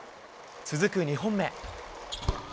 続く２本目。